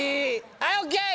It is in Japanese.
はいＯＫ！